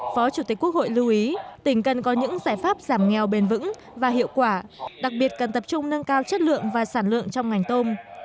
phó chủ tịch quốc hội lưu ý tỉnh cần có những giải pháp giảm nghèo bền vững và hiệu quả đặc biệt cần tập trung nâng cao chất lượng và sản lượng trong ngành tôm